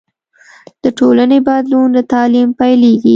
د ټولنې بدلون له تعلیم پیلېږي.